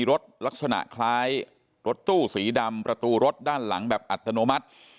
ลักษณะคล้ายรถตู้สีดำประตูรถด้านหลังแบบอัตโนมัติ